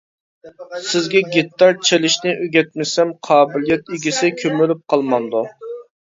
سىزگە گىتار چېلىشنى ئۆگەتمىسەم قابىلىيەت ئىگىسى كۆمۈلۈپ قالمامدۇ.